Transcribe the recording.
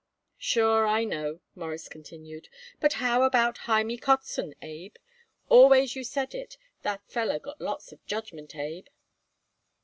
"Sure, I know," Morris continued, "but how about Hymie Kotzen, Abe? Always you said it that feller got lots of judgment, Abe."